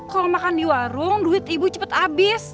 kalau makan di warung duit ibu cepet habis